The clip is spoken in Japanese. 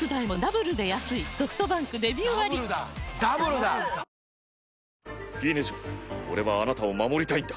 フィーネ嬢俺はあなたを守りたいんだ。